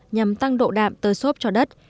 nhằm tăng độ đạm tơi xốp cho đất